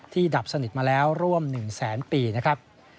ดับสนิทมาแล้วร่วม๑แสนปีนะครับ